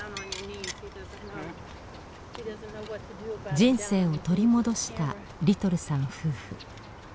人生を取り戻したリトルさん夫婦。